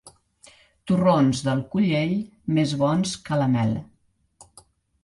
Torrons del Collell, més bons que la mel.